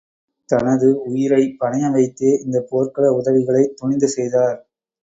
தனது உயிரைப் பணயம் வைத்தே இந்த போர்க்கள உதவிகளைத் துணிந்து செய்தார்.